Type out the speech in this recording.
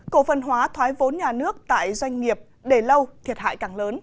cổ phần hóa thoái vốn nhà nước tại doanh nghiệp để lâu thiệt hại càng lớn